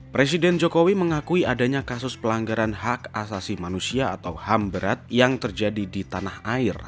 presiden jokowi mengakui adanya kasus pelanggaran hak asasi manusia atau ham berat yang terjadi di tanah air